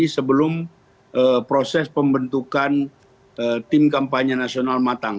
sebelum proses pembentukan tim kampanye nasional matang